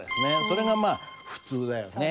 それがまあ普通だよね。